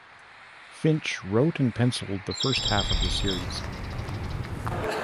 Finch wrote and penciled the first half of the series.